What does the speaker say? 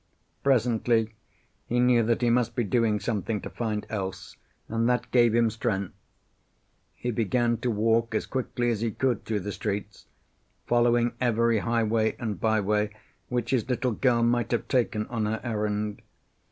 Presently he knew that he must be doing something to find Else, and that gave him strength. He began to walk as quickly as he could through the streets, following every highway and byway which his little girl might have taken on her errand.